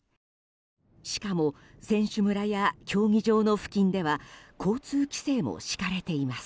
しかも選手村や競技場の付近では交通規制も敷かれています。